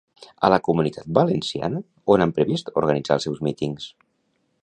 A la Comunitat Valenciana, on han previst organitzar els seus mítings?